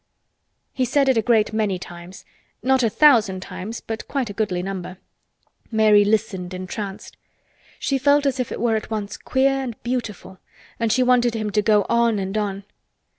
He said it a great many times—not a thousand times but quite a goodly number. Mary listened entranced. She felt as if it were at once queer and beautiful and she wanted him to go on and on.